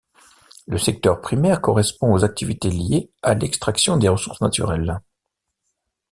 Le secteur primaire correspond aux activités liées à l'extraction des ressources naturelles.